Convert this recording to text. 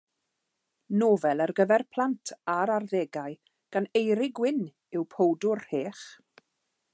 Nofel ar gyfer plant a'r arddegau gan Eirug Wyn yw Powdwr Rhech!